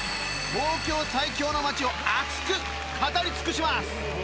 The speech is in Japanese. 東京最強の街を熱く語り尽くします！